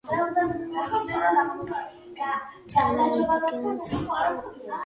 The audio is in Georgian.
წარმოადგენს საუკეთესო სიმღერების კრებულს.